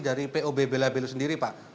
dari pob belabil sendiri pak